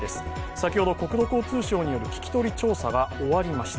先ほど国土交通省による聞き取り調査が終わりました。